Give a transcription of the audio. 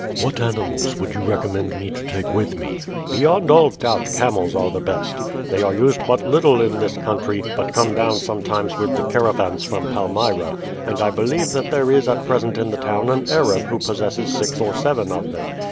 "What animals would you recommend me to take with me?" "Beyond all doubt camels are the best. They are used but little in this country, but come down sometimes with the caravans from Palmyra; and I believe that there is at present in the town an Arab who possesses six or seven of them.